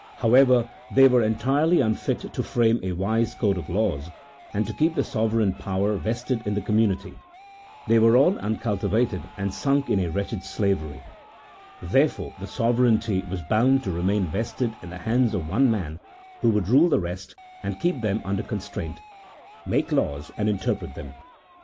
However, they were en tirely unfit to frame a wise code of laws and to keep the sovereign power vested in the community ; they were all uncultivated and sunk in a wretched slavery, therefore the sovereignty was bound to remain vested in the hands of one man who would rule the rest and keep them under constraint, make laws and interpret them.